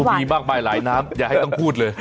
มีมากมายหลายน้ำอย่าให้ต้องพูดเลย